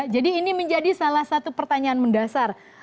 jadi ini menjadi salah satu pertanyaan mendasar